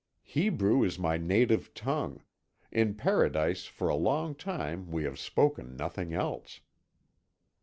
"Hebrew is my native tongue: in Paradise for a long time we have spoken nothing else."